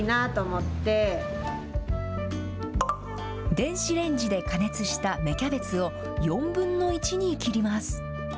電子レンジで加熱した芽キャベツを、４分の１に切ります。